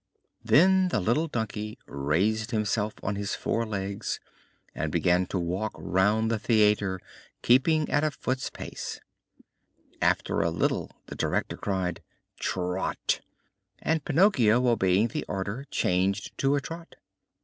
Then the little donkey raised himself on his four legs and began to walk round the theater, keeping at a foot's pace. After a little the director cried: "Trot!" and Pinocchio, obeying the order, changed to a trot.